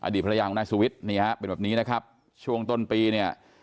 ภรรยาของนายสุวิทย์นี่ฮะเป็นแบบนี้นะครับช่วงต้นปีเนี่ย